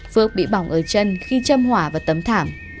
phước bị bỏng ở chân khi châm hỏa